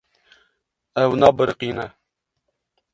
Ew nabiriqîne.